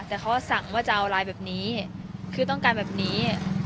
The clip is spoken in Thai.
แต่เขาสั่งว่าจะเอาไลน์แบบนี้คือต้องการแบบนี้